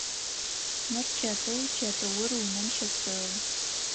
Мыр чэтыу, чэтыур унэм щэпсэу.